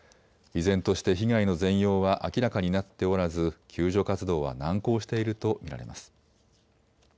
依然として被害の全容は明らかになっておらず救助活動は難航していると見られます。